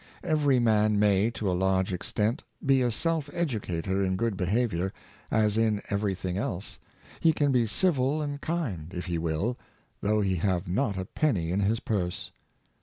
Every man may, to a large extent, be a self educator in good behavior, as in every thing else; he can be civil and kind, if he will, though he have not a penny in his purse.